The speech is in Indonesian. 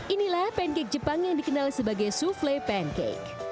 inilah pancake jepang yang dikenal sebagai souffle pancake